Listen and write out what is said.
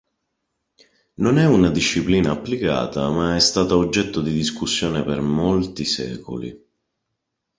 Non è una disciplina applicata, ma è stata oggetto di discussione per molti secoli.